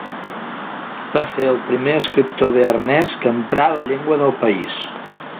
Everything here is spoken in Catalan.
Va ser el primer escriptor bearnès que emprà la llengua del país.